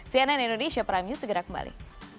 cnn indonesia prime news segera kembali